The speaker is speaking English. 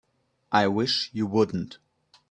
I wish you wouldn't.